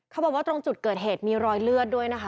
เขาบอกว่าตรงจุดเกิดเหตุมีรอยเลือดด้วยนะคะ